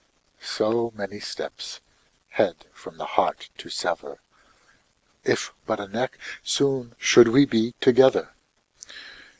So many steps, head from the heart to sever, If but a neck, soon should we be together.